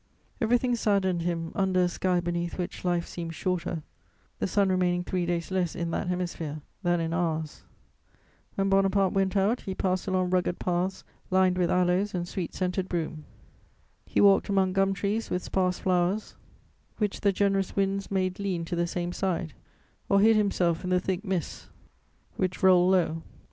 Everything saddened him under a sky beneath which life seemed shorter, the sun remaining three days less in that hemisphere than in ours. When Bonaparte went out, he passed along rugged paths lined with aloes and sweet scented broom. He walked among gum trees with sparse flowers, which the generous winds made lean to the same side, or hid himself in the thick mists which rolled low.